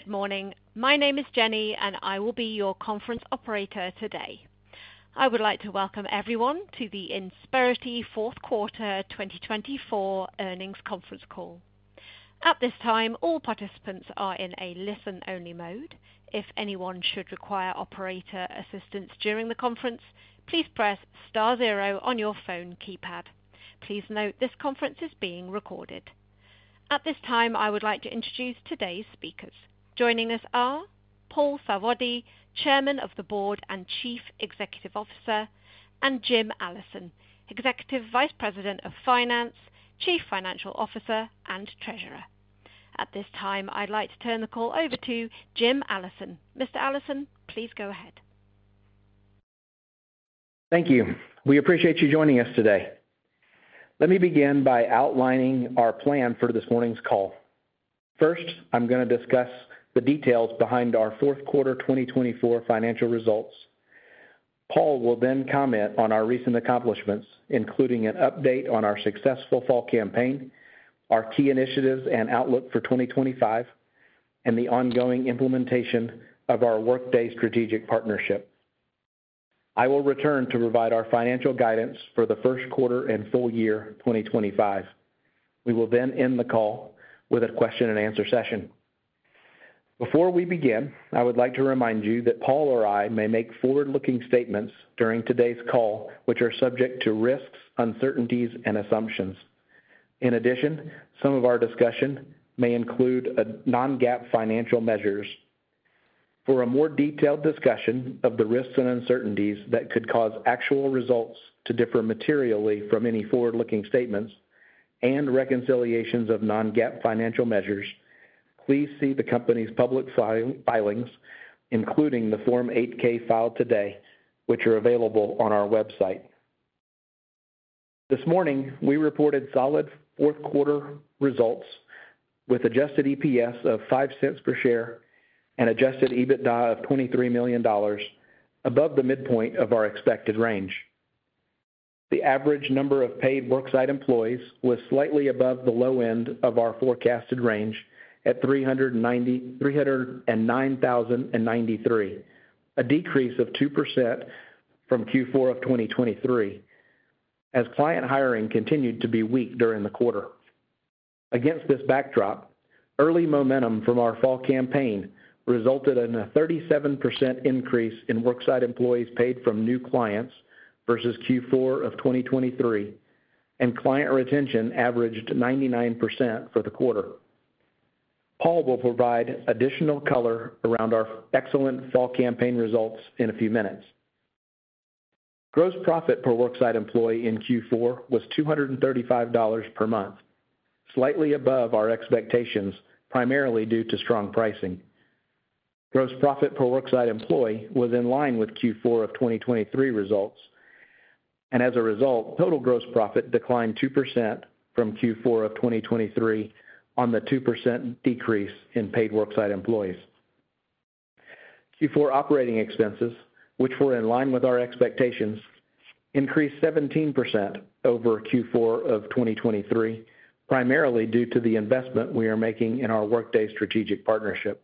Good morning. My name is Jenny, and I will be your conference operator today. I would like to welcome everyone to the Insperity Q4 2024 earnings conference call. At this time, all participants are in a listen-only mode. If anyone should require operator assistance during the conference, please press * zero on your phone keypad. Please note this conference is being recorded. At this time, I would like to introduce today's speakers. Joining us are Paul Sarvadi, Chairman of the Board and Chief Executive Officer, and Jim Allison, Executive Vice President of Finance, Chief Financial Officer, and Treasurer. At this time, I'd like to turn the call over to Jim Allison. Mr. Allison, please go ahead. Thank you. We appreciate you joining us today. Let me begin by outlining our plan for this morning's call. First, I'm going to discuss the details behind our Q4 2024 financial results. Paul will then comment on our recent accomplishments, including an update on our successful fall campaign, our key initiatives and outlook for 2025, and the ongoing implementation of our Workday Strategic Partnership. I will return to provide our financial guidance for the Q1 and full year 2025. We will then end the call with a question-and-answer session. Before we begin, I would like to remind you that Paul or I may make forward-looking statements during today's call, which are subject to risks, uncertainties, and assumptions. In addition, some of our discussion may include non-GAAP financial measures. For a more detailed discussion of the risks and uncertainties that could cause actual results to differ materially from any forward-looking statements and reconciliations of Non-GAAP financial measures, please see the company's public filings, including the Form 8-K filed today, which are available on our website. This morning, we reported solid Q4 results with Adjusted EPS of $0.05 per share and Adjusted EBITDA of $23 million, above the midpoint of our expected range. The average number of paid worksite employees was slightly above the low end of our forecasted range at 309,093, a decrease of 2% from Q4 of 2023, as client hiring continued to be weak during the quarter. Against this backdrop, early momentum from our fall campaign resulted in a 37% increase in worksite employees paid from new clients versus Q4 of 2023, and client retention averaged 99% for the quarter. Paul will provide additional color around our excellent fall campaign results in a few minutes. Gross profit per worksite employee in Q4 was $235 per month, slightly above our expectations, primarily due to strong pricing. Gross profit per worksite employee was in line with Q4 of 2023 results, and as a result, total gross profit declined 2% from Q4 of 2023 on the 2% decrease in paid worksite employees. Q4 operating expenses, which were in line with our expectations, increased 17% over Q4 of 2023, primarily due to the investment we are making in our Workday Strategic Partnership.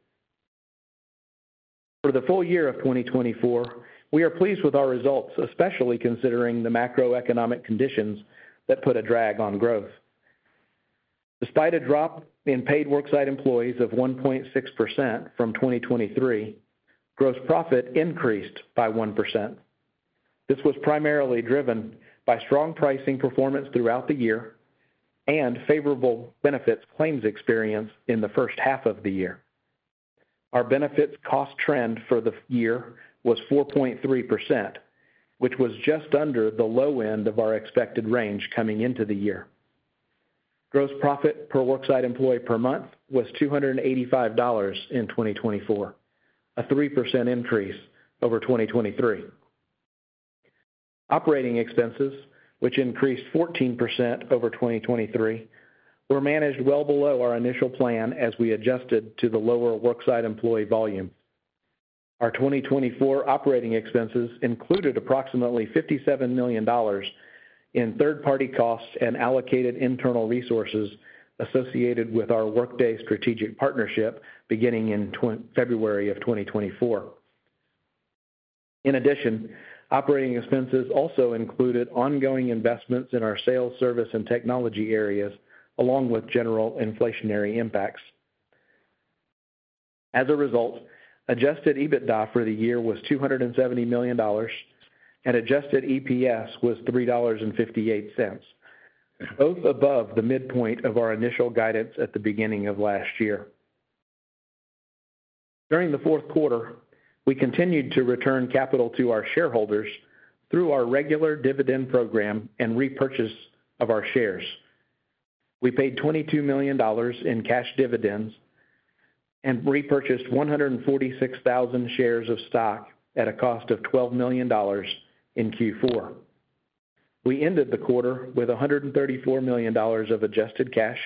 For the full year of 2024, we are pleased with our results, especially considering the macroeconomic conditions that put a drag on growth. Despite a drop in paid worksite employees of 1.6% from 2023, gross profit increased by 1%. This was primarily driven by strong pricing performance throughout the year and favorable benefits claims experienced in the first half of the year. Our benefits cost trend for the year was 4.3%, which was just under the low end of our expected range coming into the year. Gross profit per worksite employee per month was $285 in 2024, a 3% increase over 2023. Operating expenses, which increased 14% over 2023, were managed well below our initial plan as we adjusted to the lower worksite employee volume. Our 2024 operating expenses included approximately $57 million in third-party costs and allocated internal resources associated with our Workday Strategic Partnership beginning in February of 2024. In addition, operating expenses also included ongoing investments in our sales, service, and technology areas, along with general inflationary impacts. As a result, Adjusted EBITDA for the year was $270 million, and Adjusted EPS was $3.58, both above the midpoint of our initial guidance at the beginning of last year. During the Q4, we continued to return capital to our shareholders through our regular dividend program and repurchase of our shares. We paid $22 million in cash dividends and repurchased 146,000 shares of stock at a cost of $12 million in Q4. We ended the quarter with $134 million of adjusted cash,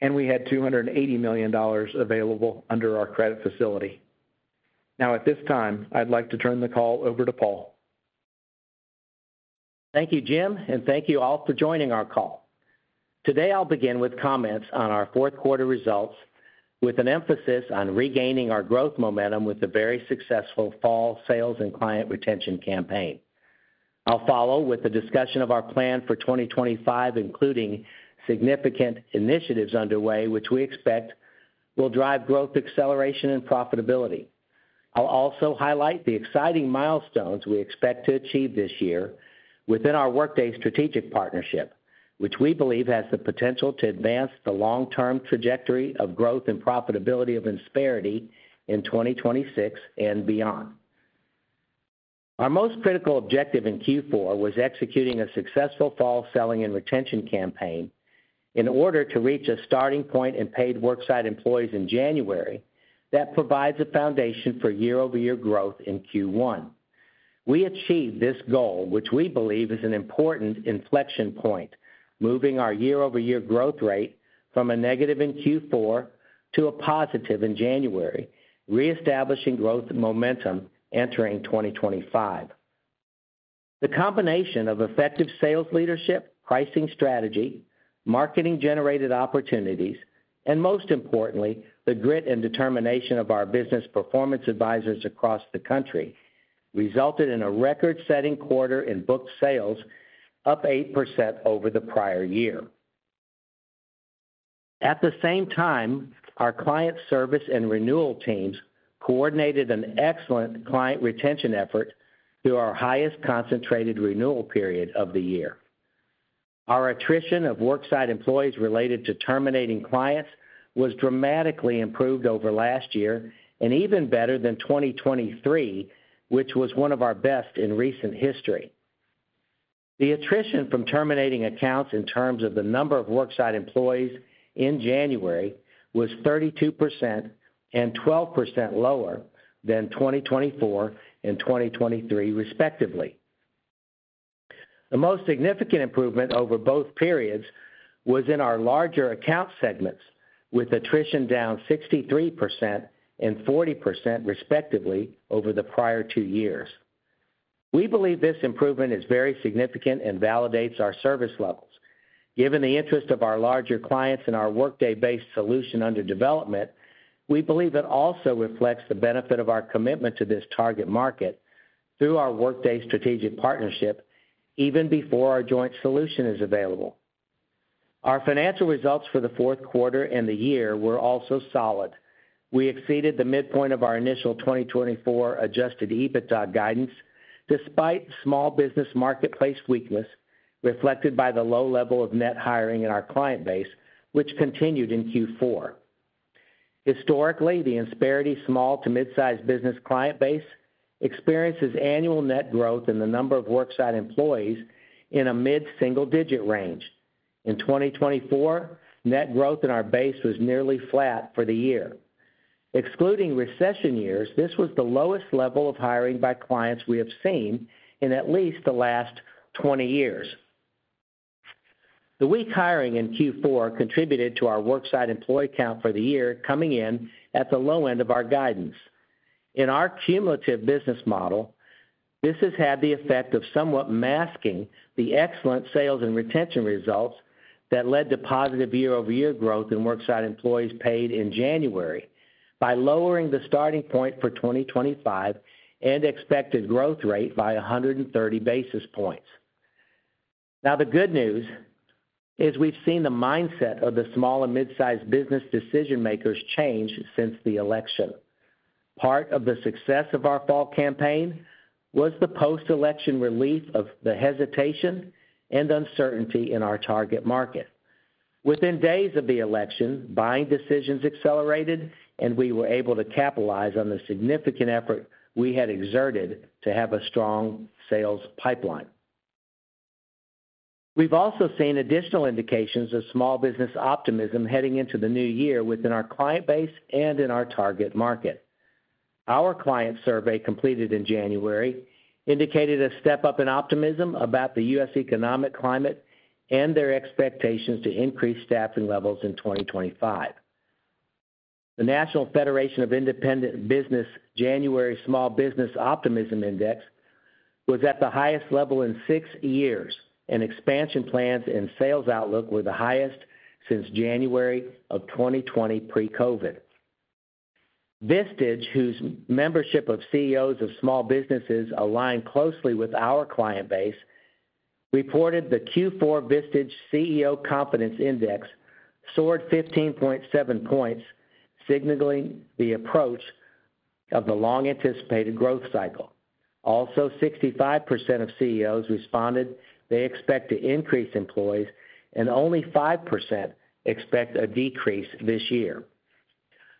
and we had $280 million available under our credit facility. Now, at this time, I'd like to turn the call over to Paul. Thank you, Jim, and thank you all for joining our call. Today, I'll begin with comments on our Q4 results, with an emphasis on regaining our growth momentum with the very successful fall sales and client retention campaign. I'll follow with a discussion of our plan for 2025, including significant initiatives underway, which we expect will drive growth, acceleration, and profitability. I'll also highlight the exciting milestones we expect to achieve this year within our Workday Strategic Partnership, which we believe has the potential to advance the long-term trajectory of growth and profitability of Insperity in 2026 and beyond. Our most critical objective in Q4 was executing a successful fall selling and retention campaign in order to reach a starting point in paid worksite employees in January that provides a foundation for year-over-year growth in Q1. We achieved this goal, which we believe is an important inflection point, moving our year-over-year growth rate from a negative in Q4 to a positive in January, reestablishing growth momentum entering 2025. The combination of effective sales leadership, pricing strategy, marketing-generated opportunities, and most importantly, the grit and determination of our business performance advisors across the country resulted in a record-setting quarter in booked sales, up 8% over the prior year. At the same time, our client service and renewal teams coordinated an excellent client retention effort through our highest concentrated renewal period of the year. Our attrition of worksite employees related to terminating clients was dramatically improved over last year and even better than 2023, which was one of our best in recent history. The attrition from terminating accounts in terms of the number of worksite employees in January was 32% and 12% lower than 2024 and 2023, respectively. The most significant improvement over both periods was in our larger account segments, with attrition down 63% and 40%, respectively, over the prior two years. We believe this improvement is very significant and validates our service levels. Given the interest of our larger clients in our Workday-based solution under development, we believe it also reflects the benefit of our commitment to this target market through our Workday Strategic Partnership, even before our joint solution is available. Our financial results for the Q4 and the year were also solid. We exceeded the midpoint of our initial 2024 Adjusted EBITDA guidance, despite small business marketplace weakness reflected by the low level of net hiring in our client base, which continued in Q4. Historically, the Insperity small to mid-size business client base experiences annual net growth in the number of worksite employees in a mid-single-digit range. In 2024, net growth in our base was nearly flat for the year. Excluding recession years, this was the lowest level of hiring by clients we have seen in at least the last 20 years. The weak hiring in Q4 contributed to our worksite employee count for the year coming in at the low end of our guidance. In our cumulative business model, this has had the effect of somewhat masking the excellent sales and retention results that led to positive year-over-year growth in worksite employees paid in January by lowering the starting point for 2025 and expected growth rate by 130 basis points. Now, the good news is we've seen the mindset of the small and mid-size business decision-makers change since the election. Part of the success of our fall campaign was the post-election relief of the hesitation and uncertainty in our target market. Within days of the election, buying decisions accelerated, and we were able to capitalize on the significant effort we had exerted to have a strong sales pipeline. We've also seen additional indications of small business optimism heading into the new year within our client base and in our target market. Our client survey completed in January indicated a step-up in optimism about the U.S. economic climate and their expectations to increase staffing levels in 2025. The National Federation of Independent Business January Small Business Optimism Index was at the highest level in six years, and expansion plans and sales outlook were the highest since January of 2020 pre-COVID. Vistage, whose membership of CEOs of small businesses aligned closely with our client base, reported the Q4 Vistage CEO Confidence Index soared 15.7 points, signaling the approach of the long-anticipated growth cycle. Also, 65% of CEOs responded they expect to increase employees, and only 5% expect a decrease this year.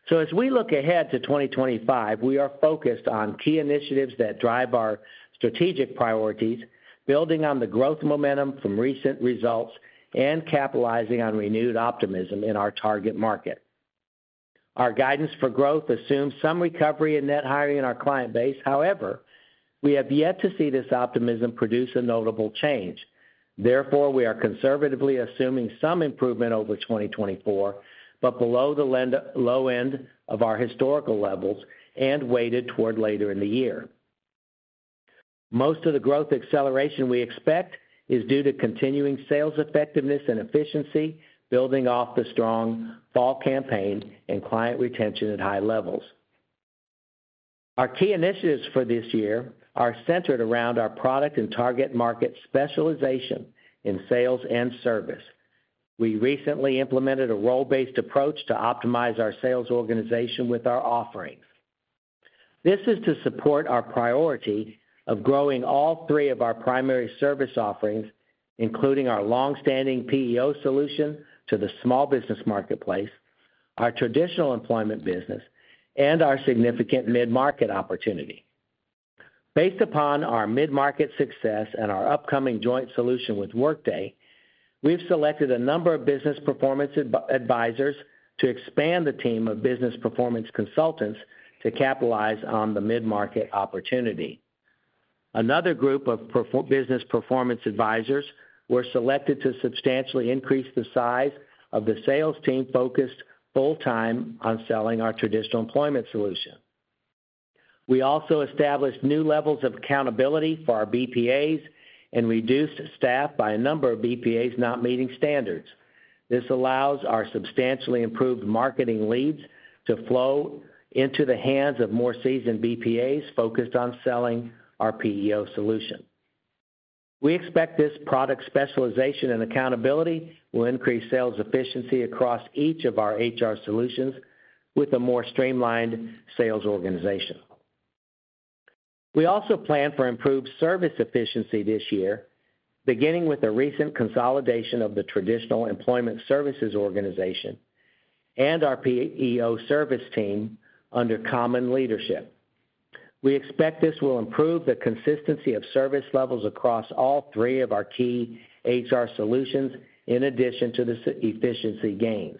So, as we look ahead to 2025, we are focused on key initiatives that drive our strategic priorities, building on the growth momentum from recent results and capitalizing on renewed optimism in our target market. Our guidance for growth assumes some recovery in net hiring in our client base. However, we have yet to see this optimism produce a notable change. Therefore, we are conservatively assuming some improvement over 2024, but below the low end of our historical levels and weighted toward later in the year. Most of the growth acceleration we expect is due to continuing sales effectiveness and efficiency, building off the strong fall campaign and client retention at high levels. Our key initiatives for this year are centered around our product and target market specialization in sales and service. We recently implemented a role-based approach to optimize our sales organization with our offerings. This is to support our priority of growing all three of our primary service offerings, including our long-standing PEO solution to the small business marketplace, our traditional employment business, and our significant mid-market opportunity. Based upon our mid-market success and our upcoming joint solution with Workday, we've selected a number of business performance advisors to expand the team of business performance consultants to capitalize on the mid-market opportunity. Another group of business performance advisors were selected to substantially increase the size of the sales team focused full-time on selling our traditional employment solution. We also established new levels of accountability for our BPAs and reduced staff by a number of BPAs not meeting standards. This allows our substantially improved marketing leads to flow into the hands of more seasoned BPAs focused on selling our PEO solution. We expect this product specialization and accountability will increase sales efficiency across each of our HR solutions with a more streamlined sales organization. We also plan for improved service efficiency this year, beginning with a recent consolidation of the traditional employment services organization and our PEO service team under common leadership. We expect this will improve the consistency of service levels across all three of our key HR solutions in addition to the efficiency gains.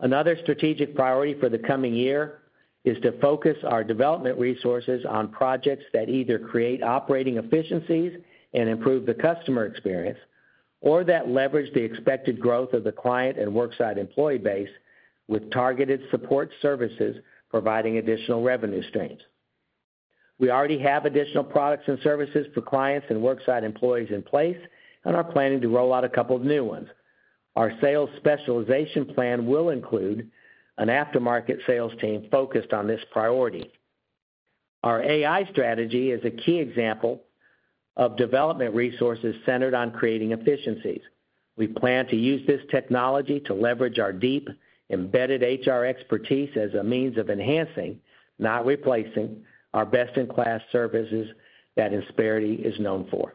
Another strategic priority for the coming year is to focus our development resources on projects that either create operating efficiencies and improve the customer experience or that leverage the expected growth of the client and worksite employee base with targeted support services providing additional revenue streams. We already have additional products and services for clients and worksite employees in place and are planning to roll out a couple of new ones. Our sales specialization plan will include an aftermarket sales team focused on this priority. Our AI strategy is a key example of development resources centered on creating efficiencies. We plan to use this technology to leverage our deep embedded HR expertise as a means of enhancing, not replacing, our best-in-class services that Insperity is known for.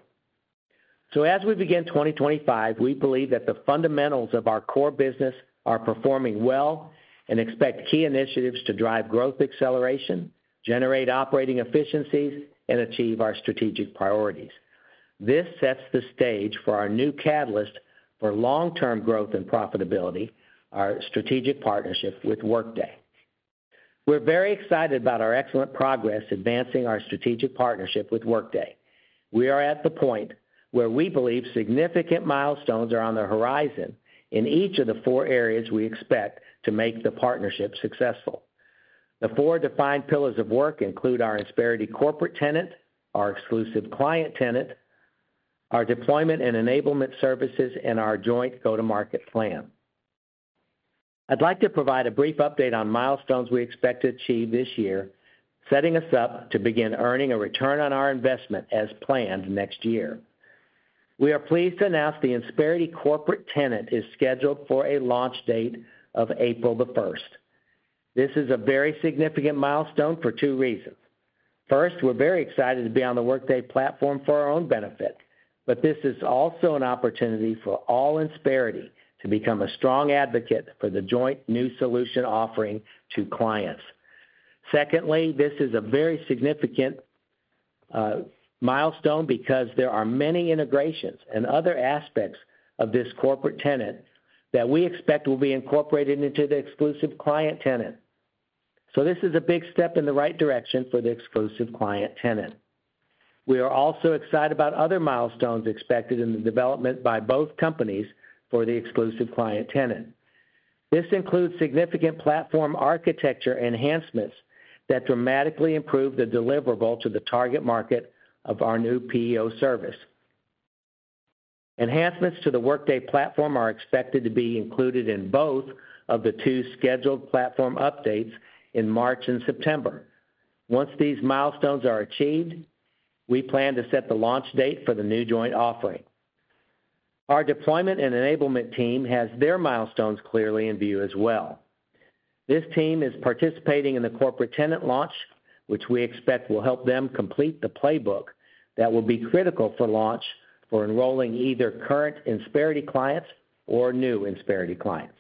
So, as we begin 2025, we believe that the fundamentals of our core business are performing well and expect key initiatives to drive growth acceleration, generate operating efficiencies, and achieve our strategic priorities. This sets the stage for our new catalyst for long-term growth and profitability, our strategic partnership with Workday. We're very excited about our excellent progress advancing our strategic partnership with Workday. We are at the point where we believe significant milestones are on the horizon in each of the four areas we expect to make the partnership successful. The four defined pillars of work include our Insperity Corporate Tenant, our exclusive client tenant, our deployment and enablement services, and our joint go-to-market plan. I'd like to provide a brief update on milestones we expect to achieve this year, setting us up to begin earning a return on our investment as planned next year. We are pleased to announce the Insperity Corporate Tenant is scheduled for a launch date of April 1st. This is a very significant milestone for two reasons. First, we're very excited to be on the Workday platform for our own benefit, but this is also an opportunity for all Insperity to become a strong advocate for the joint new solution offering to clients. Secondly, this is a very significant milestone because there are many integrations and other aspects of this Corporate Tenant that we expect will be incorporated into the exclusive client tenant. So, this is a big step in the right direction for the exclusive client tenant. We are also excited about other milestones expected in the development by both companies for the exclusive client tenant. This includes significant platform architecture enhancements that dramatically improve the deliverable to the target market of our new PEO service. Enhancements to the Workday platform are expected to be included in both of the two scheduled platform updates in March and September. Once these milestones are achieved, we plan to set the launch date for the new joint offering. Our deployment and enablement team has their milestones clearly in view as well. This team is participating in the Corporate Tenant launch, which we expect will help them complete the playbook that will be critical for launch for enrolling either current Insperity clients or new Insperity clients.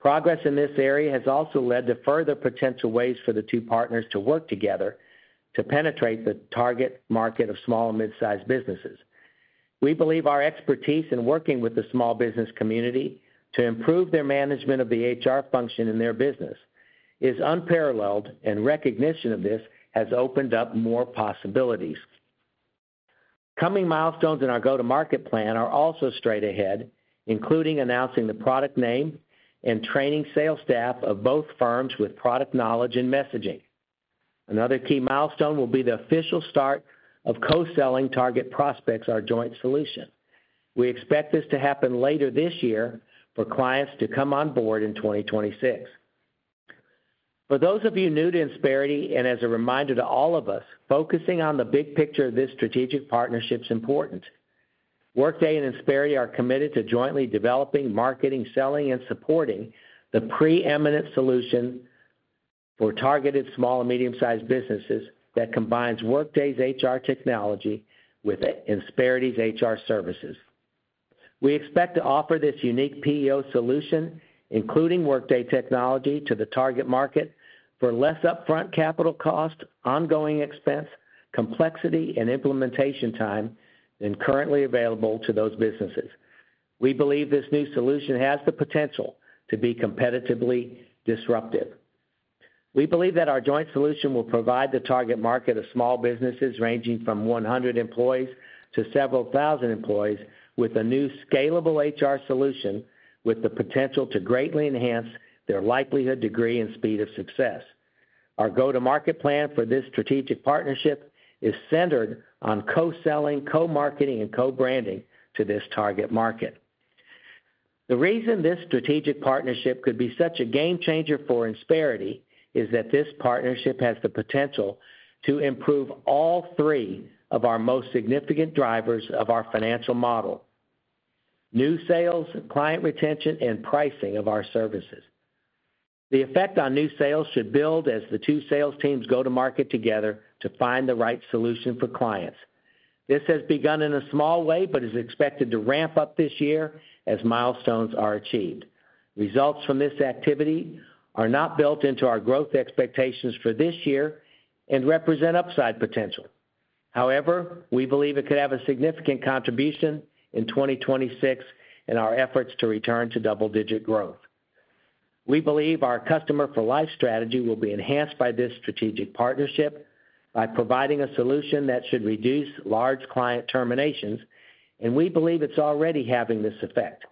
Progress in this area has also led to further potential ways for the two partners to work together to penetrate the target market of small and mid-size businesses. We believe our expertise in working with the small business community to improve their management of the HR function in their business is unparalleled, and recognition of this has opened up more possibilities. Coming milestones in our go-to-market plan are also straight ahead, including announcing the product name and training sales staff of both firms with product knowledge and messaging. Another key milestone will be the official start of co-selling target prospects our joint solution. We expect this to happen later this year for clients to come on board in 2026. For those of you new to Insperity and as a reminder to all of us, focusing on the big picture of this strategic partnership is important. Workday and Insperity are committed to jointly developing, marketing, selling, and supporting the preeminent solution for targeted small and medium-sized businesses that combines Workday's HR technology with Insperity's HR services. We expect to offer this unique PEO solution, including Workday technology, to the target market for less upfront capital cost, ongoing expense, complexity, and implementation time than currently available to those businesses. We believe this new solution has the potential to be competitively disruptive. We believe that our joint solution will provide the target market of small businesses ranging from 100 employees to several thousand employees with a new scalable HR solution with the potential to greatly enhance their likelihood, degree, and speed of success. Our go-to-market plan for this strategic partnership is centered on co-selling, co-marketing, and co-branding to this target market. The reason this strategic partnership could be such a game changer for Insperity is that this partnership has the potential to improve all three of our most significant drivers of our financial model: new sales, client retention, and pricing of our services. The effect on new sales should build as the two sales teams go to market together to find the right solution for clients. This has begun in a small way but is expected to ramp up this year as milestones are achieved. Results from this activity are not built into our growth expectations for this year and represent upside potential. However, we believe it could have a significant contribution in 2026 in our efforts to return to double-digit growth. We believe our customer-for-life strategy will be enhanced by this strategic partnership by providing a solution that should reduce large client terminations, and we believe it's already having this effect.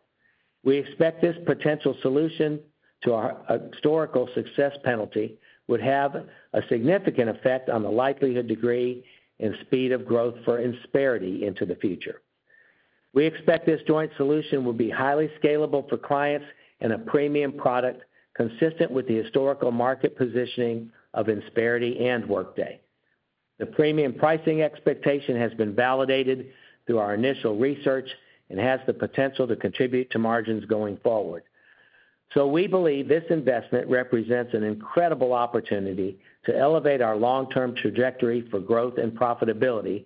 We expect this potential solution to our historical success penalty would have a significant effect on the likelihood, degree, and speed of growth for Insperity into the future. We expect this joint solution will be highly scalable for clients and a premium product consistent with the historical market positioning of Insperity and Workday. The premium pricing expectation has been validated through our initial research and has the potential to contribute to margins going forward. So, we believe this investment represents an incredible opportunity to elevate our long-term trajectory for growth and profitability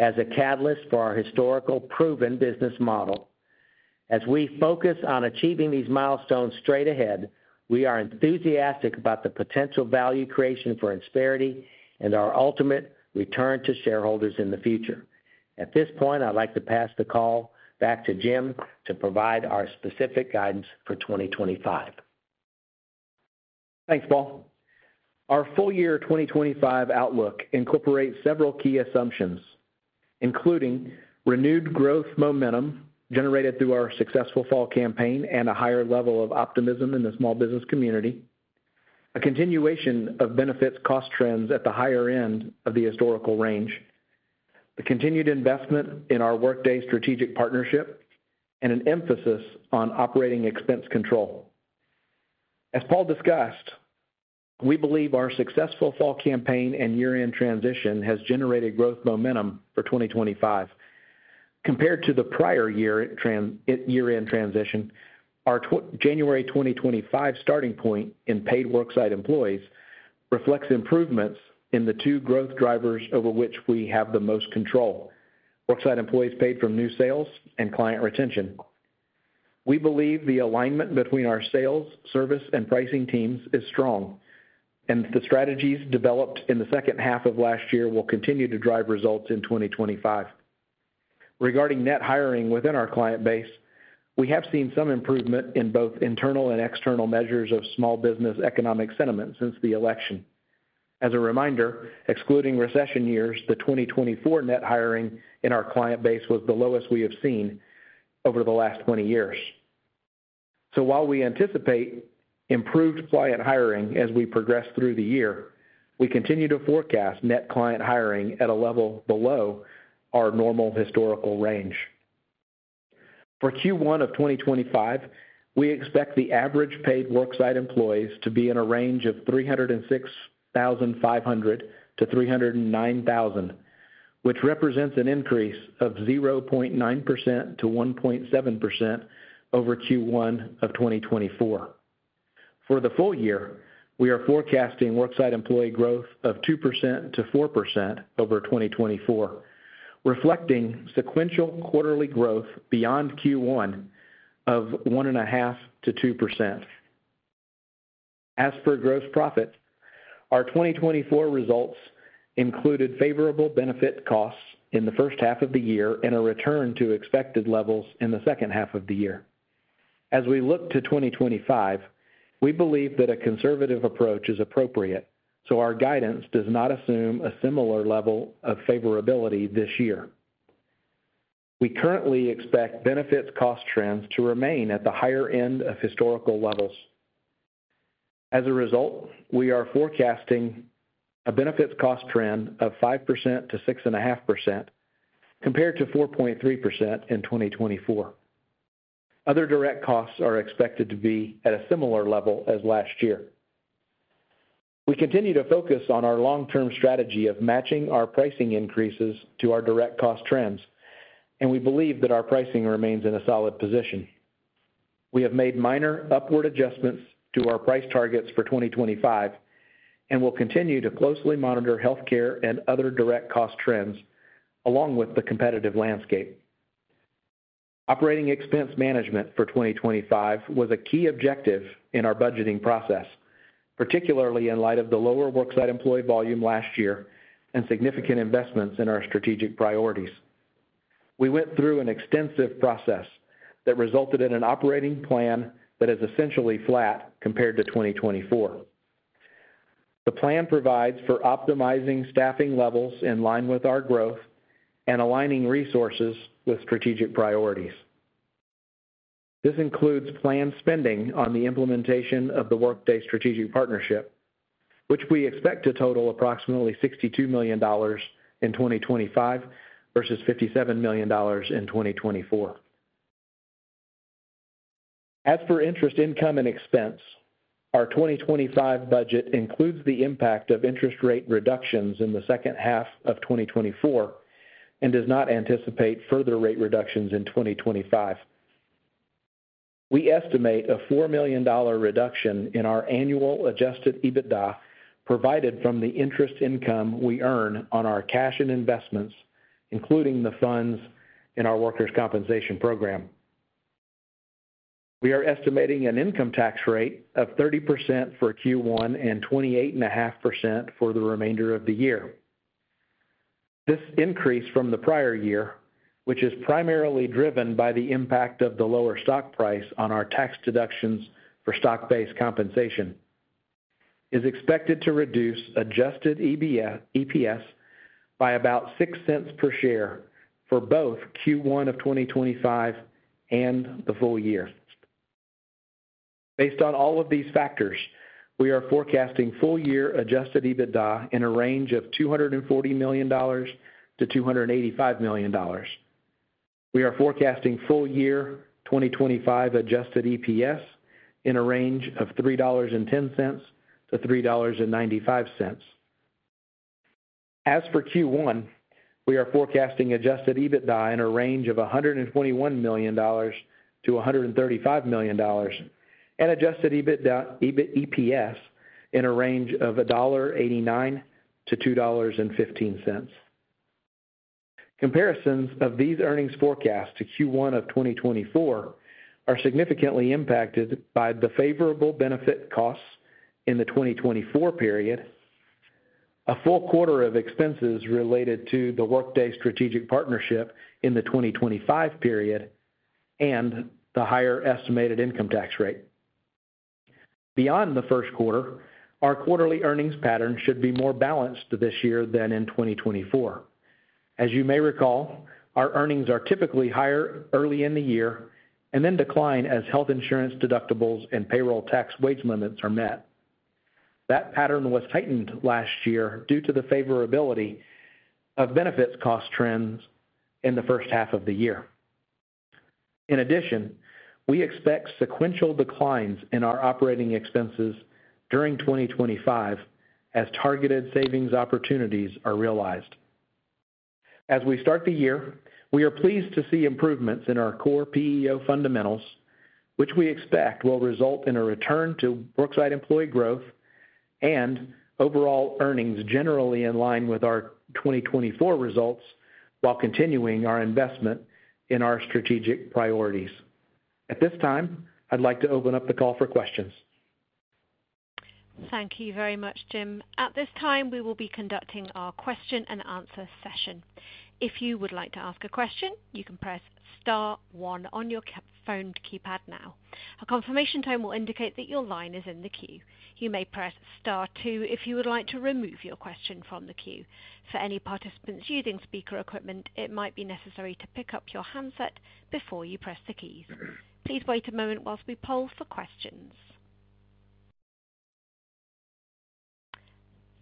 as a catalyst for our historical proven business model. As we focus on achieving these milestones straight ahead, we are enthusiastic about the potential value creation for Insperity and our ultimate return to shareholders in the future. At this point, I'd like to pass the call back to Jim to provide our specific guidance for 2025. Thanks, Paul. Our full year 2025 outlook incorporates several key assumptions, including renewed growth momentum generated through our successful fall campaign and a higher level of optimism in the small business community, a continuation of benefits cost trends at the higher end of the historical range, the continued investment in our Workday strategic partnership, and an emphasis on operating expense control. As Paul discussed, we believe our successful fall campaign and year-end transition has generated growth momentum for 2025. Compared to the prior year-end transition, our January 2025 starting point in paid worksite employees reflects improvements in the two growth drivers over which we have the most control: worksite employees paid from new sales and client retention. We believe the alignment between our sales, service, and pricing teams is strong, and the strategies developed in the second half of last year will continue to drive results in 2025. Regarding net hiring within our client base, we have seen some improvement in both internal and external measures of small business economic sentiment since the election. As a reminder, excluding recession years, the 2024 net hiring in our client base was the lowest we have seen over the last 20 years. So, while we anticipate improved client hiring as we progress through the year, we continue to forecast net client hiring at a level below our normal historical range. For Q1 of 2025, we expect the average paid worksite employees to be in a range of 306,500-309,000, which represents an increase of 0.9%-1.7% over Q1 of 2024. For the full year, we are forecasting worksite employee growth of 2%-4% over 2024, reflecting sequential quarterly growth beyond Q1 of 1.5%-2%. As for gross profit, our 2024 results included favorable benefit costs in the first half of the year and a return to expected levels in the second half of the year. As we look to 2025, we believe that a conservative approach is appropriate, so our guidance does not assume a similar level of favorability this year. We currently expect benefits cost trends to remain at the higher end of historical levels. As a result, we are forecasting a benefits cost trend of 5%-6.5% compared to 4.3% in 2024. Other direct costs are expected to be at a similar level as last year. We continue to focus on our long-term strategy of matching our pricing increases to our direct cost trends, and we believe that our pricing remains in a solid position. We have made minor upward adjustments to our price targets for 2025 and will continue to closely monitor healthcare and other direct cost trends along with the competitive landscape. Operating expense management for 2025 was a key objective in our budgeting process, particularly in light of the lower worksite employee volume last year and significant investments in our strategic priorities. We went through an extensive process that resulted in an operating plan that is essentially flat compared to 2024. The plan provides for optimizing staffing levels in line with our growth and aligning resources with strategic priorities. This includes planned spending on the implementation of the Workday strategic partnership, which we expect to total approximately $62 million in 2025 versus $57 million in 2024. As for interest income and expense, our 2025 budget includes the impact of interest rate reductions in the second half of 2024 and does not anticipate further rate reductions in 2025. We estimate a $4 million reduction in our annual adjusted EBITDA provided from the interest income we earn on our cash and investments, including the funds in our workers' compensation program. We are estimating an income tax rate of 30% for Q1 and 28.5% for the remainder of the year. This increase from the prior year, which is primarily driven by the impact of the lower stock price on our tax deductions for stock-based compensation, is expected to reduce Adjusted EPS by about $0.06 per share for both Q1 of 2025 and the full year. Based on all of these factors, we are forecasting full year Adjusted EBITDA in a range of $240 million-$285 million. We are forecasting full year 2025 Adjusted EPS in a range of $3.10-$3.95. As for Q1, we are forecasting Adjusted EBITDA in a range of $121 -$135 million and Adjusted EPS in a range of $1.89-$2.15. Comparisons of these earnings forecasts to Q1 of 2024 are significantly impacted by the favorable benefit costs in the 2024 period, a full quarter of expenses related to the Workday strategic partnership in the 2025 period, and the higher estimated income tax rate. Beyond the Q1, our quarterly earnings pattern should be more balanced this year than in 2024. As you may recall, our earnings are typically higher early in the year and then decline as health insurance deductibles and payroll tax wage limits are met. That pattern was heightened last year due to the favorability of benefits cost trends in the first half of the year. In addition, we expect sequential declines in our operating expenses during 2025 as targeted savings opportunities are realized. As we start the year, we are pleased to see improvements in our core PEO fundamentals, which we expect will result in a return to worksite employee growth and overall earnings generally in line with our 2024 results while continuing our investment in our strategic priorities. At this time, I'd like to open up the call for questions. Thank you very much, Jim. At this time, we will be conducting our question and answer session. If you would like to ask a question, you can press * 1 on your phone keypad now. A confirmation tone will indicate that your line is in the queue. You may press * 2 if you would like to remove your question from the queue. For any participants using speaker equipment, it might be necessary to pick up your handset before you press the keys. Please wait a moment while we poll for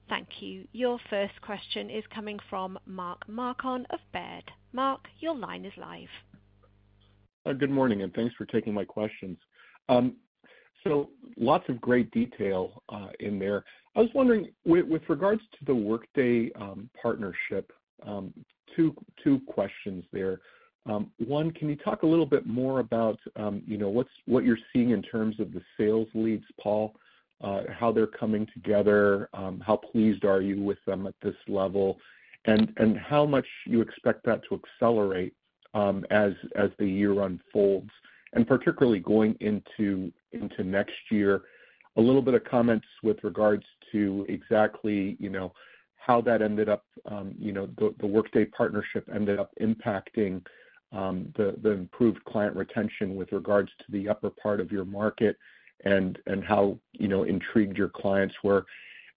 questions. Thank you. Your first question is coming from Mark Marcon of Baird. Mark, your line is live. Good morning, and thanks for taking my questions. So, lots of great detail in there. I was wondering, with regards to the Workday partnership, two questions there. One, can you talk a little bit more about what you're seeing in terms of the sales leads, Paul, how they're coming together, how pleased are you with them at this level, and how much you expect that to accelerate as the year unfolds, and particularly going into next year? A little bit of comments with regards to exactly how that ended up, the Workday partnership ended up impacting the improved client retention with regards to the upper part of your market and how intrigued your clients were?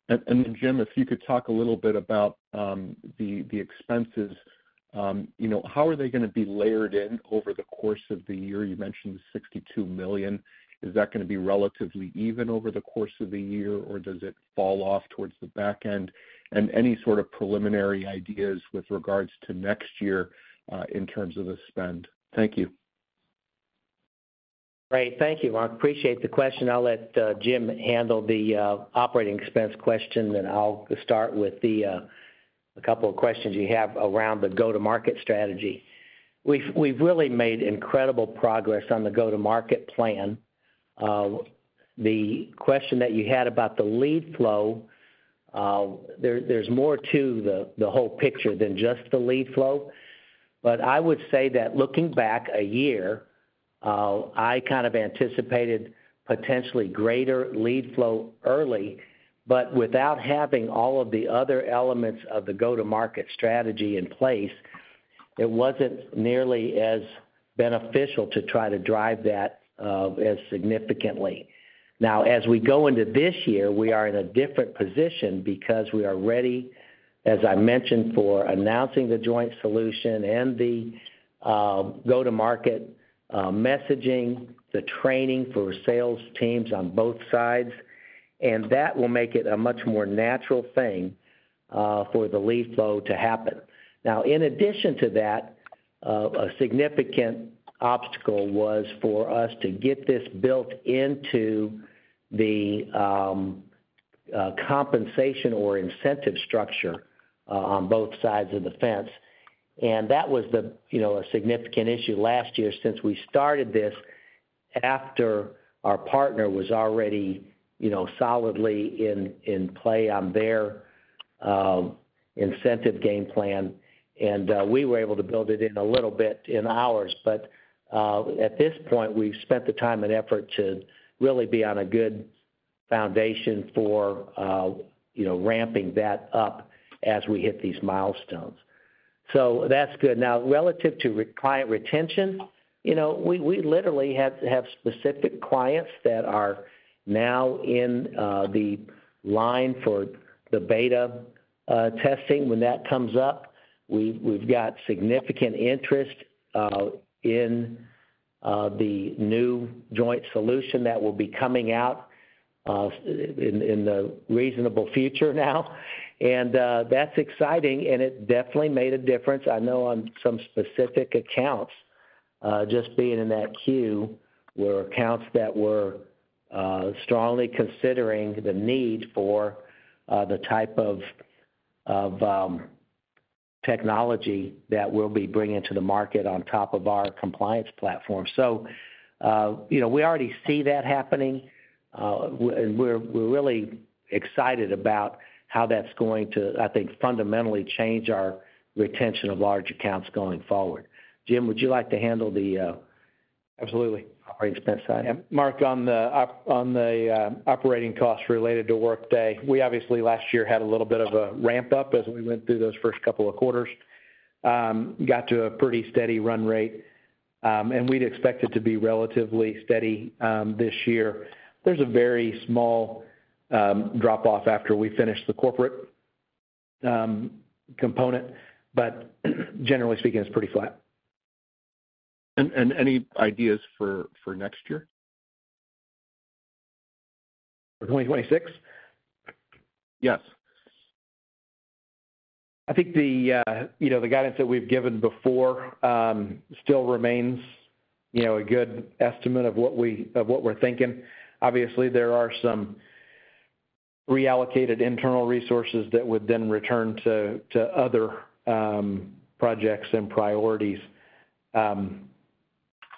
And then, Jim, if you could talk a little bit about the expenses, how are they going to be layered in over the course of the year? You mentioned the $62 million. Is that going to be relatively even over the course of the year, or does it fall off towards the back end? And any sort of preliminary ideas with regards to next year in terms of the spend? Thank you. Great. Thank you, Mark. Appreciate the question. I'll let Jim handle the operating expense question, and I'll start with a couple of questions you have around the go-to-market strategy. We've really made incredible progress on the go-to-market plan. The question that you had about the lead flow, there's more to the whole picture than just the lead flow. But I would say that looking back a year, I kind of anticipated potentially greater lead flow early, but without having all of the other elements of the go-to-market strategy in place, it wasn't nearly as beneficial to try to drive that as significantly. Now, as we go into this year, we are in a different position because we are ready, as I mentioned, for announcing the joint solution and the go-to-market messaging, the training for sales teams on both sides, and that will make it a much more natural thing for the lead flow to happen. Now, in addition to that, a significant obstacle was for us to get this built into the compensation or incentive structure on both sides of the fence. And that was a significant issue last year since we started this after our partner was already solidly in play on their incentive game plan. We were able to build it in a little bit in hours, but at this point, we've spent the time and effort to really be on a good foundation for ramping that up as we hit these milestones. That's good. Now, relative to client retention, we literally have specific clients that are now in the line for the beta testing. When that comes up, we've got significant interest in the new joint solution that will be coming out in the reasonable future now. That's exciting, and it definitely made a difference. I know on some specific accounts, just being in that queue, were accounts that were strongly considering the need for the type of technology that we'll be bringing to the market on top of our compliance platform. So we already see that happening, and we're really excited about how that's going to, I think, fundamentally change our retention of large accounts going forward. Jim, would you like to handle the operating expense side? Yeah. Mark, on the operating costs related to Workday, we obviously last year had a little bit of a ramp-up as we went through those first couple of quarters, got to a pretty steady run rate, and we'd expect it to be relatively steady this year. There's a very small drop-off after we finish the corporate component, but generally speaking, it's pretty flat. And any ideas for next year? For 2026? Yes. I think the guidance that we've given before still remains a good estimate of what we're thinking. Obviously, there are some reallocated internal resources that would then return to other projects and priorities. And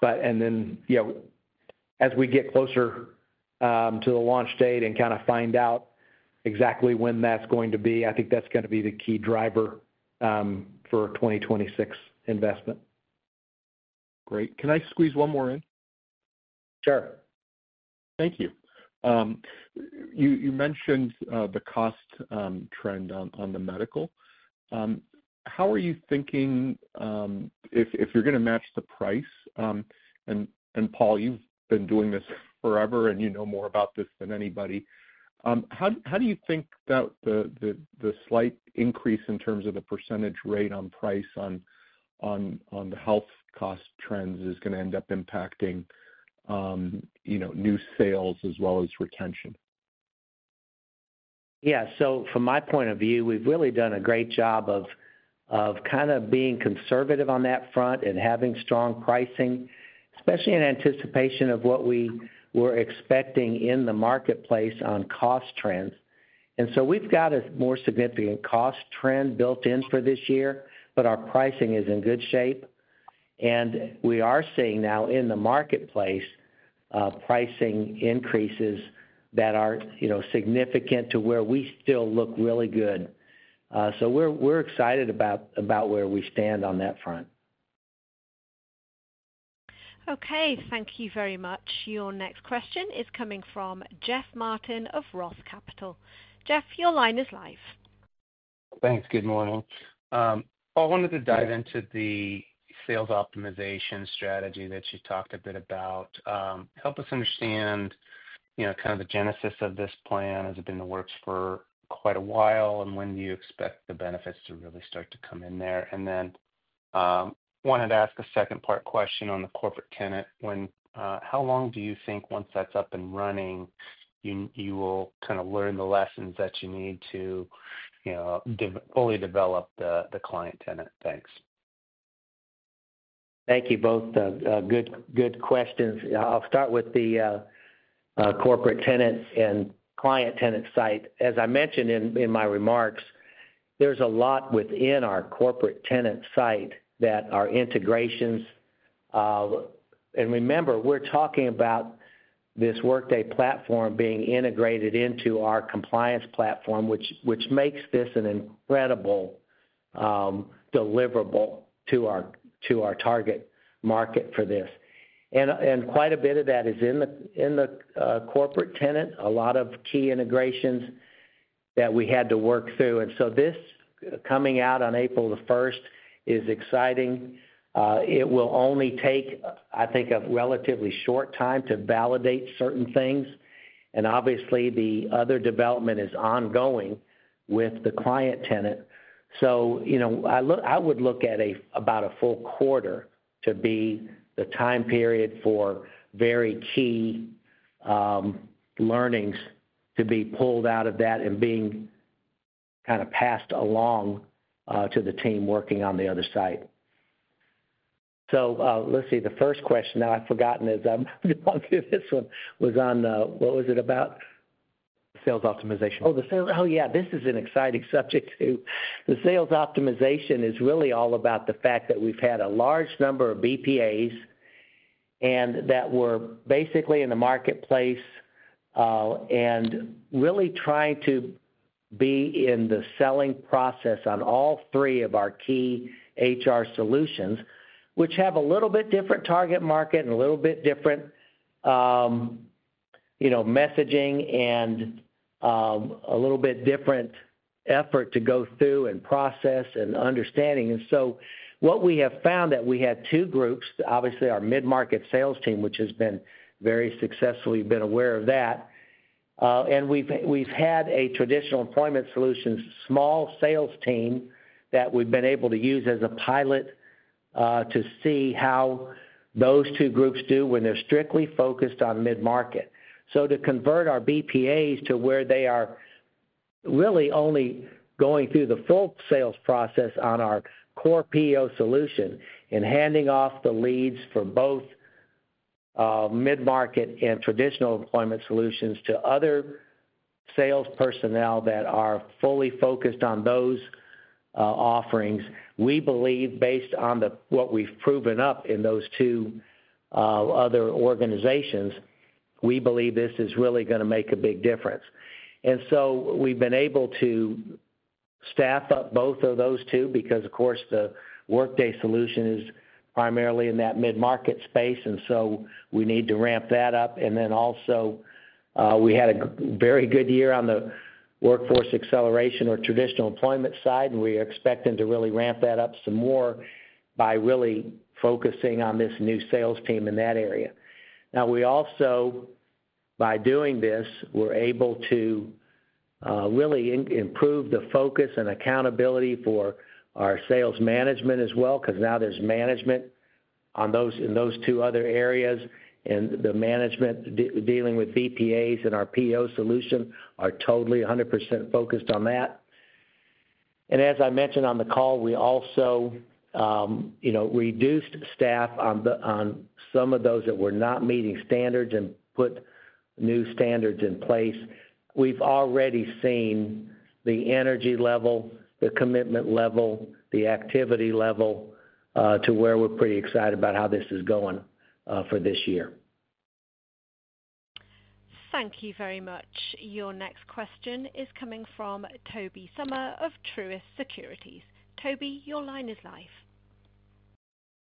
then, as we get closer to the launch date and kind of find out exactly when that's going to be, I think that's going to be the key driver for a 2026 investment. Great. Can I squeeze one more in? Sure. Thank you. You mentioned the cost trend on the medical. How are you thinking if you're going to match the price? And Paul, you've been doing this forever, and you know more about this than anybody. How do you think that the slight increase in terms of the percentage rate on price on the health cost trends is going to end up impacting new sales as well as retention? Yeah. So from my point of view, we've really done a great job of kind of being conservative on that front and having strong pricing, especially in anticipation of what we were expecting in the marketplace on cost trends. And so we've got a more significant cost trend built in for this year, but our pricing is in good shape. And we are seeing now in the marketplace pricing increases that are significant to where we still look really good. So we're excited about where we stand on that front. Okay. Thank you very much. Your next question is coming from Jeff Martin of Roth Capital. Jeff, your line is live. Thanks. Good morning. Paul, I wanted to dive into the sales optimization strategy that you talked a bit about. Help us understand kind of the genesis of this plan as it's been in the works for quite a while, and when do you expect the benefits to really start to come in there? And then wanted to ask a second-part question on the corporate tenant. How long do you think once that's up and running, you will kind of learn the lessons that you need to fully develop the client tenant? Thanks. Thank you both. Good questions. I'll start with the corporate tenant and client tenant site. As I mentioned in my remarks, there's a lot within our corporate tenant site that are integrations, and remember, we're talking about this Workday platform being integrated into our compliance platform, which makes this an incredible deliverable to our target market for this, and quite a bit of that is in the corporate tenant, a lot of key integrations that we had to work through, and so this coming out on April the 1st is exciting. It will only take, I think, a relatively short time to validate certain things, and obviously, the other development is ongoing with the client tenant. So I would look at about a full quarter to be the time period for very key learnings to be pulled out of that and being kind of passed along to the team working on the other side. So let's see. The first question that I've forgotten is I'm going to go through this one. What was it about? Sales optimization. Oh, yeah. This is an exciting subject too. The sales optimization is really all about the fact that we've had a large number of BPAs and that were basically in the marketplace and really trying to be in the selling process on all three of our key HR solutions, which have a little bit different target market and a little bit different messaging and a little bit different effort to go through and process and understanding. And so what we have found that we had two groups, obviously our mid-market sales team, which has been very successful. You've been aware of that. And we've had a traditional employment solutions small sales team that we've been able to use as a pilot to see how those two groups do when they're strictly focused on mid-market. So to convert our BPAs to where they are really only going through the full sales process on our core PEO solution and handing off the leads for both mid-market and traditional employment solutions to other sales personnel that are fully focused on those offerings, we believe, based on what we've proven up in those two other organizations, we believe this is really going to make a big difference. And so we've been able to staff up both of those two because, of course, the Workday solution is primarily in that mid-market space, and so we need to ramp that up. And then also, we had a very good year on the Workforce Acceleration or traditional employment side, and we are expecting to really ramp that up some more by really focusing on this new sales team in that area. Now, we also, by doing this, we're able to really improve the focus and accountability for our sales management as well because now there's management in those two other areas, and the management dealing with BPAs and our PEO solution are totally 100% focused on that. And as I mentioned on the call, we also reduced staff on some of those that were not meeting standards and put new standards in place. We've already seen the energy level, the commitment level, the activity level to where we're pretty excited about how this is going for this year. Thank you very much. Your next question is coming from Toby Sommer of Truist Securities. Toby, your line is live.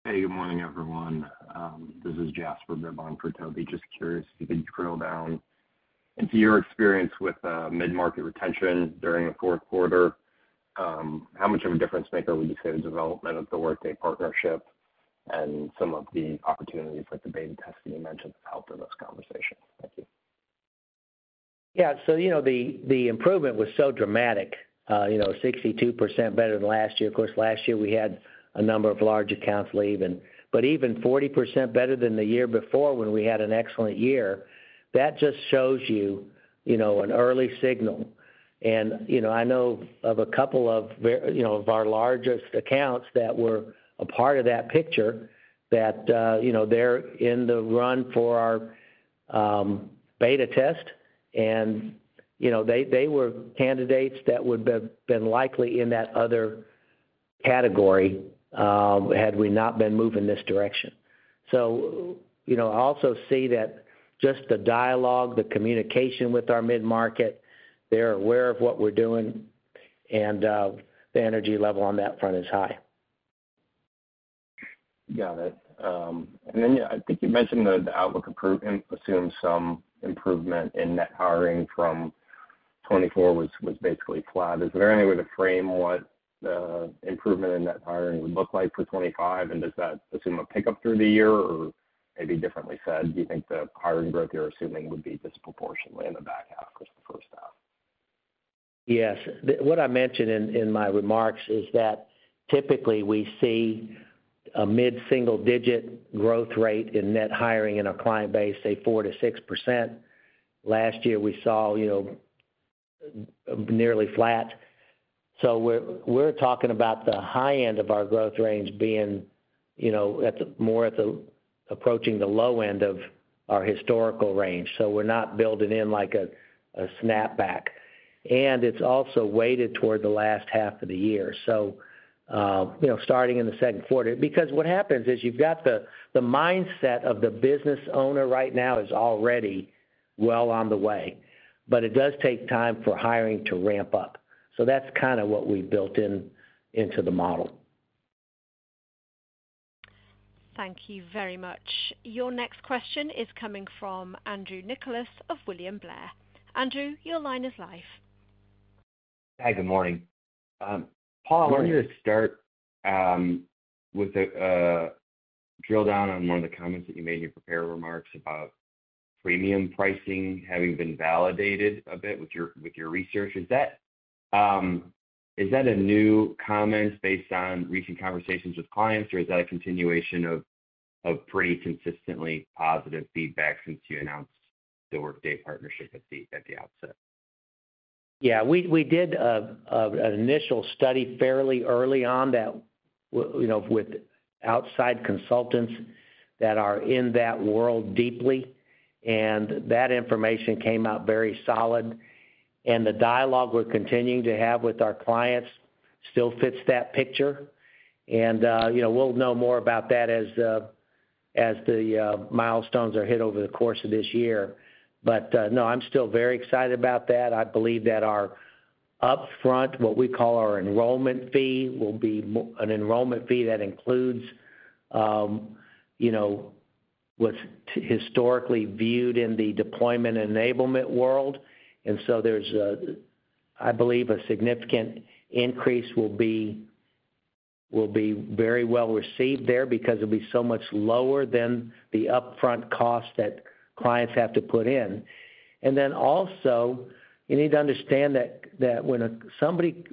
Hey, good morning, everyone. This is Jasper Goodman for Toby. Just curious if you could drill down into your experience with mid-market retention during the Q4. How much of a difference maker would you say the development of the Workday partnership and some of the opportunities like the beta testing you mentioned have helped in this conversation? Thank you. Yeah. So the improvement was so dramatic, 62% better than last year. Of course, last year, we had a number of large accounts leave, but even 40% better than the year before when we had an excellent year. That just shows you an early signal. I know of a couple of our largest accounts that were a part of that picture that they're in the run for our beta test, and they were candidates that would have been likely in that other category had we not been moving this direction. I also see that just the dialogue, the communication with our mid-market, they're aware of what we're doing, and the energy level on that front is high. Got it. I think you mentioned that outlook assumes some improvement in net hiring from 2024, which was basically flat. Is there any way to frame what the improvement in net hiring would look like for 2025? Does that assume a pickup through the year? Or maybe differently said, do you think the hiring growth you're assuming would be disproportionately in the back half versus the first half? Yes. What I mentioned in my remarks is that typically we see a mid-single-digit growth rate in net hiring in our client base, say, 4%-6%. Last year, we saw nearly flat. So we're talking about the high end of our growth range being more approaching the low end of our historical range. So we're not building in like a snapback. And it's also weighted toward the last half of the year. So starting in the Q2, because what happens is you've got the mindset of the business owner right now is already well on the way, but it does take time for hiring to ramp up. So that's kind of what we've built into the model. Thank you very much. Your next question is coming from Andrew Nicholas of William Blair. Andrew, your line is live. Hi, good morning. Paul, I wanted to start with a drill down on one of the comments that you made in your prepared remarks about premium pricing having been validated a bit with your research. Is that a new comment based on recent conversations with clients, or is that a continuation of pretty consistently positive feedback since you announced the Workday partnership at the outset? Yeah. We did an initial study fairly early on with outside consultants that are in that world deeply, and that information came out very solid. And the dialogue we're continuing to have with our clients still fits that picture. And we'll know more about that as the milestones are hit over the course of this year. But no, I'm still very excited about that. I believe that our upfront, what we call our enrollment fee, will be an enrollment fee that includes what's historically viewed in the deployment enablement world. And so I believe a significant increase will be very well received there because it'll be so much lower than the upfront cost that clients have to put in. And then also, you need to understand that when somebody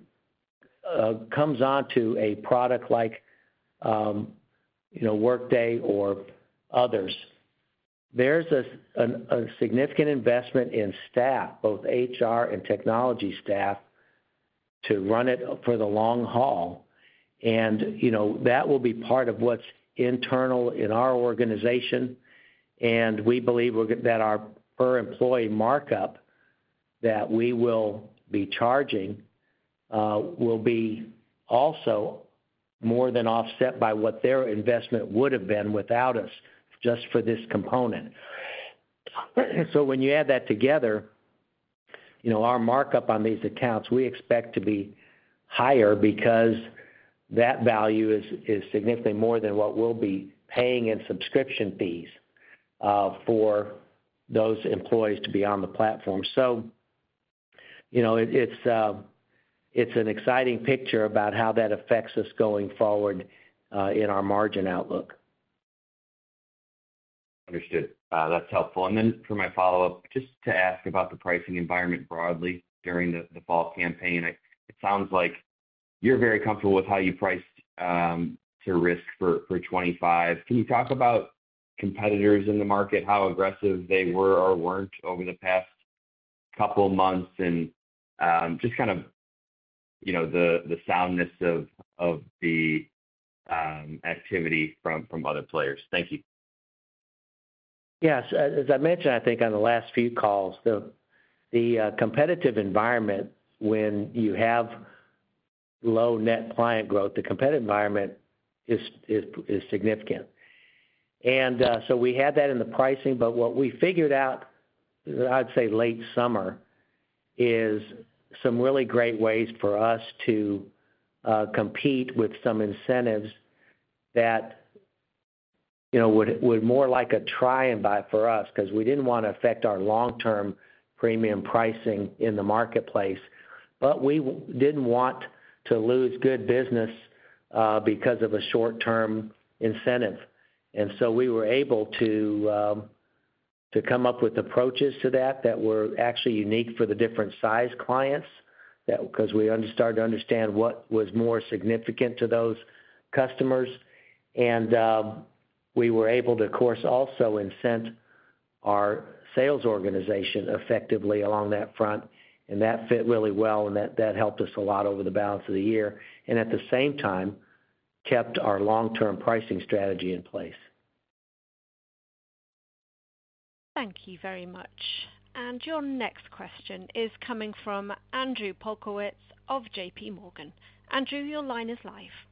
comes on to a product like Workday or others, there's a significant investment in staff, both HR and technology staff, to run it for the long haul. And that will be part of what's internal in our organization. And we believe that our per-employee markup that we will be charging will be also more than offset by what their investment would have been without us just for this component. So when you add that together, our markup on these accounts, we expect to be higher because that value is significantly more than what we'll be paying in subscription fees for those employees to be on the platform. So it's an exciting picture about how that affects us going forward in our margin outlook. Understood. That's helpful. And then for my follow-up, just to ask about the pricing environment broadly during the fall campaign, it sounds like you're very comfortable with how you priced to risk for 2025. Can you talk about competitors in the market, how aggressive they were or weren't over the past couple of months, and just kind of the soundness of the activity from other players? Thank you. Yes. As I mentioned, I think on the last few calls, the competitive environment, when you have low net client growth, the competitive environment is significant. And so we had that in the pricing, but what we figured out, I'd say late summer, is some really great ways for us to compete with some incentives that would more like a try and buy for us because we didn't want to affect our long-term premium pricing in the marketplace, but we didn't want to lose good business because of a short-term incentive. And so we were able to come up with approaches to that that were actually unique for the different size clients because we started to understand what was more significant to those customers. And we were able to, of course, also incent our sales organization effectively along that front. And that fit really well, and that helped us a lot over the balance of the year. And at the same time, kept our long-term pricing strategy in place. Thank you very much. And your next question is coming from Andrew Polkowitz of JPMorgan. Andrew, your line is live.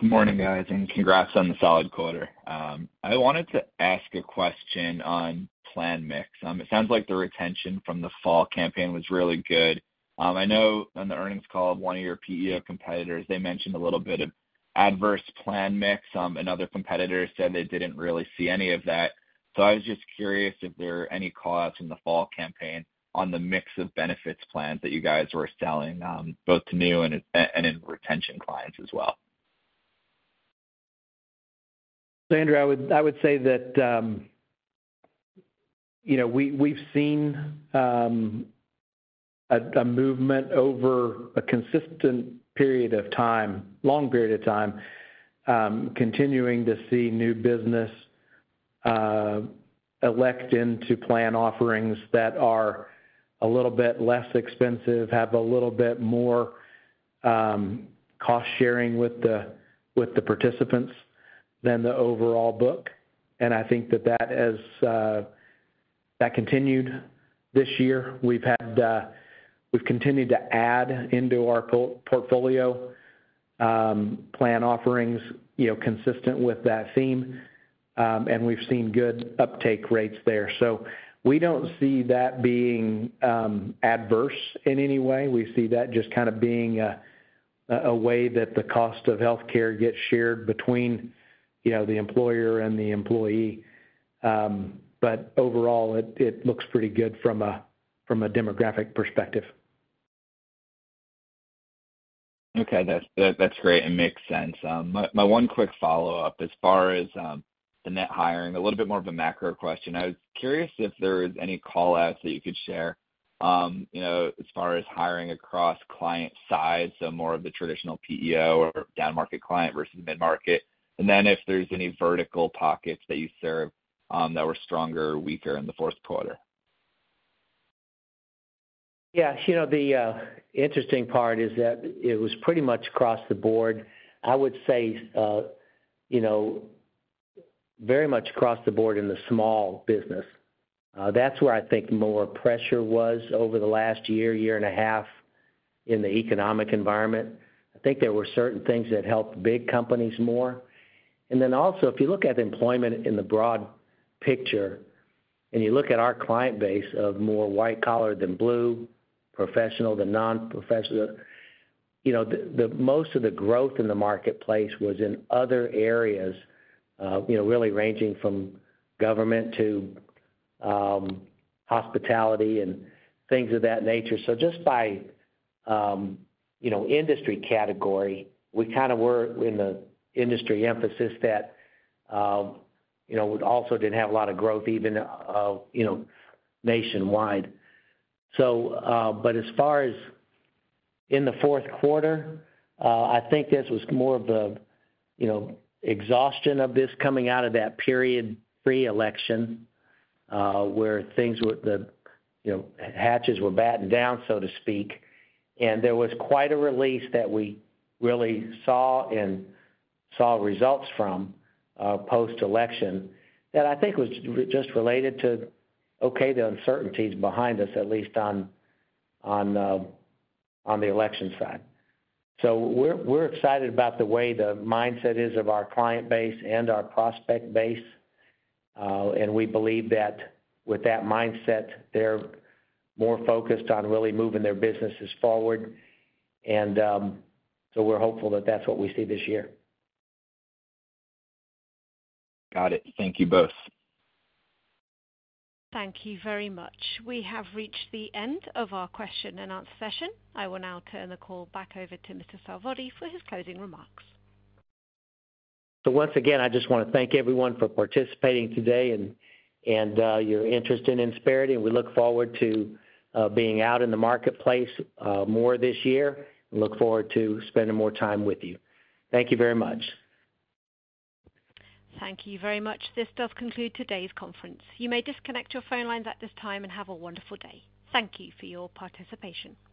Good morning, guys, and congrats on the solid quarter. I wanted to ask a question on plan mix. It sounds like the retention from the fall campaign was really good. I know on the earnings call of one of your PEO competitors, they mentioned a little bit of adverse plan mix. And other competitors said they didn't really see any of that. So I was just curious if there are any costs in the fall campaign on the mix of benefits plans that you guys were selling, both to new and in retention clients as well. So Andrew, I would say that we've seen a movement over a consistent period of time, long period of time, continuing to see new business elect into plan offerings that are a little bit less expensive, have a little bit more cost sharing with the participants than the overall book. And I think that that continued this year. We've continued to add into our portfolio plan offerings consistent with that theme, and we've seen good uptake rates there. So we don't see that being adverse in any way. We see that just kind of being a way that the cost of healthcare gets shared between the employer and the employee. But overall, it looks pretty good from a demographic perspective. Okay. That's great. It makes sense. My one quick follow-up as far as the net hiring, a little bit more of a macro question. I was curious if there was any callouts that you could share as far as hiring across client side, so more of the traditional PEO or down-market client versus mid-market, and then if there's any vertical pockets that you serve that were stronger or weaker in the Q4? Yeah. The interesting part is that it was pretty much across the board. I would say very much across the board in the small business. That's where I think more pressure was over the last year, year and a half in the economic environment. I think there were certain things that helped big companies more. And then also, if you look at employment in the broad picture and you look at our client base of more white-collar than blue, professional than non-professional, most of the growth in the marketplace was in other areas, really ranging from government to hospitality and things of that nature. So just by industry category, we kind of were in the industry emphasis that also didn't have a lot of growth even nationwide. But as far as in the Q4, I think this was more of the exhaustion of this coming out of that period pre-election where things were, the hatches were batten down, so to speak. And there was quite a release that we really saw and saw results from post-election that I think was just related to, okay, the uncertainties behind us, at least on the election side. So we're excited about the way the mindset is of our client base and our prospect base. And we believe that with that mindset, they're more focused on really moving their businesses forward. And so we're hopeful that that's what we see this year. Got it. Thank you both. Thank you very much. We have reached the end of our question and answer session. I will now turn the call back over to Mr. Sarvadi for his closing remarks. So once again, I just want to thank everyone for participating today and your interest and inspiration. We look forward to being out in the marketplace more this year and look forward to spending more time with you. Thank you very much. Thank you very much. This does conclude today's conference. You may disconnect your phone lines at this time and have a wonderful day. Thank you for your participation.